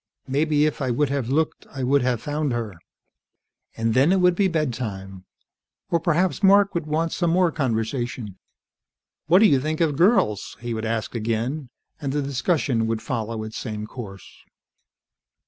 "Maybe if I would have looked, I would have found her." And then it would be bedtime. Or perhaps Mark would want more conversation. "What do you think of girls?" he would ask again, and the discussion would follow its same course.